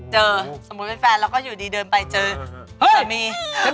จนเป็นแฟนอยู่ดีเดินไปเจอสามี